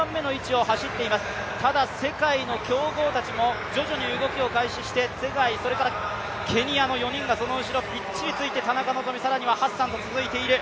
世界の強豪たちも徐々に動きを開始してツェガイ、そしてケニアの４人がその後ろ、ぴっちりついて田中希実さらにはハッサンと続いている。